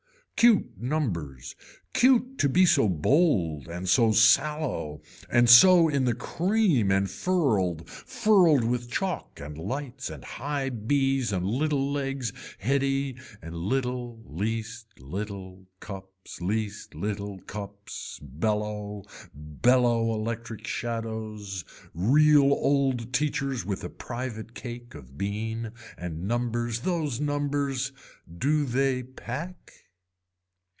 Cute numbers, cute to be so bold and so sallow and so in the cream and furled, furled with chalk and lights and high bees and little legs heady and little least little cups, least little cups bellow, bellow electric shadows, real old teachers with a private cake of bean and numbers those numbers. Do they pack.